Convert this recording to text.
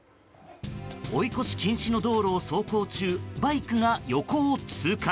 追い越し禁止の道路を走行中バイクが横を通過。